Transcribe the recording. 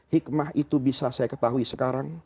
hikmah itu bisa saya ketahui sekarang